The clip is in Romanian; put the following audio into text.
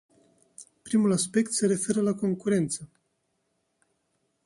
Primul aspect se referă la concurență.